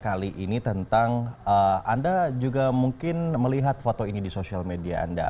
kali ini tentang anda juga mungkin melihat foto ini di sosial media anda